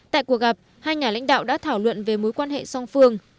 tại cuộc gặp hai nhà lãnh đạo đã thảo luận về mối quan hệ song phương